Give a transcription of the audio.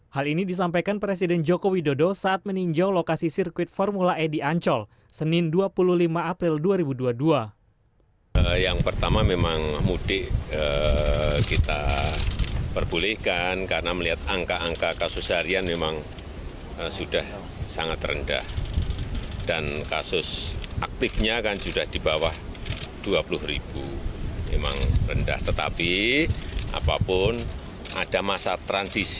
hal ini disampaikan presiden joko widodo saat meninjau lokasi sirkuit formula e di ancol senin dua puluh lima april dua ribu dua puluh dua